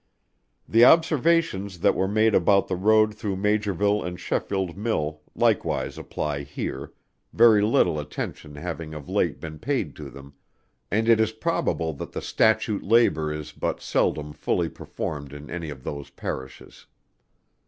The observations that were made about the road through Maugerville and Sheffield mill likewise apply here, very little attention having of late been paid to them, and it is probable that the statute labor is but seldom fully performed in any of those Parishes.